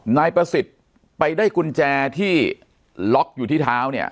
นายประสิทธิ์ไปได้กุญแจที่ล็อกอยู่ที่เท้าเนี่ย